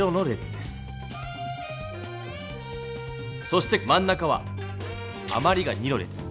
そしてまん中はあまりが２の列。